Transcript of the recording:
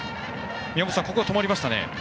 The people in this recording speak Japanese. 宮本さん、ここは止まりましたね。